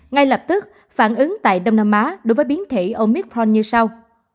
ngay lập tức phản ứng tại đông nam á đối với biến thủy omicron như sau